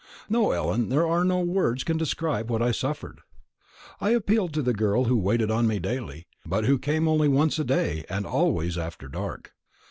No, Ellen, there are no words can describe what I suffered. I appealed to the girl who waited on me daily, but who came only once a day, and always after dark.